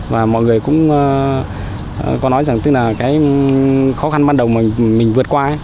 và mọi người cũng có nói rằng tức là cái khó khăn ban đầu mà mình vượt qua ấy